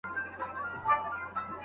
آیا ښځه د خاوند له اجازې پرته جهاد ته ځي؟